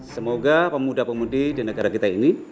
semoga pemuda pemudi di negara kita ini